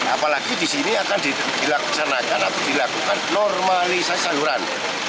apalagi di sini akan dilakukan normalisasi saluran